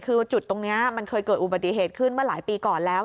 คือจุดตรงนี้มันเคยเกิดอุบัติเหตุขึ้นเมื่อหลายปีก่อนแล้ว